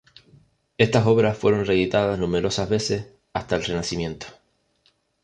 Estas obras fueron reeditadas numerosas veces hasta el Renacimiento.